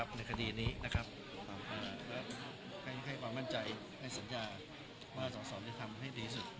โปรดติดตามตอนต่อไป